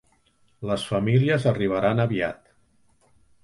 Les famílies arribaran aviat.